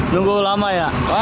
nunggu lama ya